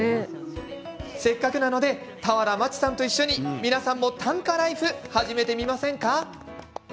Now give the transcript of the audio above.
せっかくなので俵万智さんと一緒に皆さんも短歌ライフ始めてみませんか？